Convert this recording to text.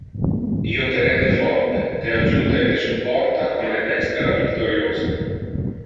Io te rende forte, te adjuta e te supporta con le dextera victoriose.